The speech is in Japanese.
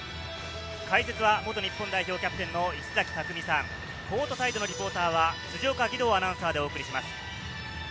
解説は元日本代表キャプテンの石崎巧さん、コートサイドリポーターは辻岡義堂アナウンサーでお送りします。